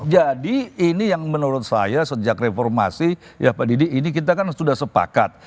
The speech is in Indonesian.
jadi ini yang menurut saya sejak reformasi ya pak didik ini kita kan sudah sepakat